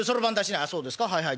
「ああそうですかはいはい。